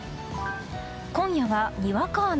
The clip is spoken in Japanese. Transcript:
今夜は、にわか雨。